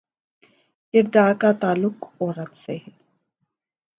کردار کا تعلق عورت سے ہے۔